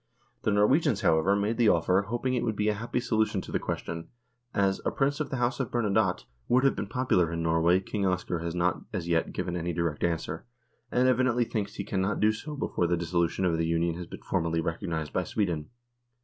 The Norwegians, however, made the offer, hoping it would be a happy solution of the question, as " a Prince of the House of Bernadotte " would have been popular in Norway King Oscar has not as yet given any direct answer, and evidently thinks he cannot do so before the dissolution of the Union has been formally recognised by Sweden.